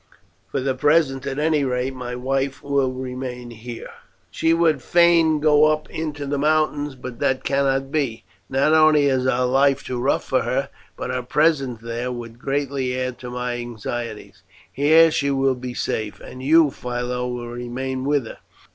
For the present, at any rate, my wife will remain here. "She would fain go up into the mountains, but that cannot be. Not only is our life too rough for her, but her presence there would greatly add to my anxieties. Here she will be safe, and you, Philo, will remain with her.